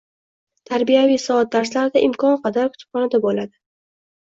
Tarbiyaviy soat darslarida imkon qadar kutubxonada bo’ladi.